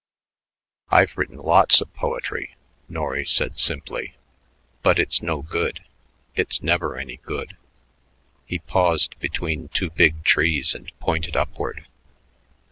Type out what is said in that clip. "I've written lots of poetry," Norry said simply, "but it's no good; it's never any good." He paused between two big trees and pointed upward.